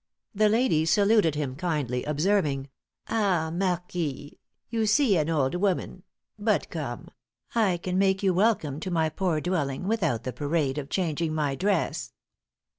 The lady saluted him kindly, observing, 'Ah, marquis! you see an old woman; but come, I can make you welcome to my poor dwelling, without the parade of changing my dress.'"